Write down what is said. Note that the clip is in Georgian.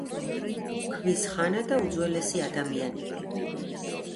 ქვის ხანა და უძველესი ადამიანები